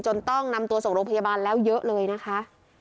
ต้องนำตัวส่งโรงพยาบาลแล้วเยอะเลยนะคะ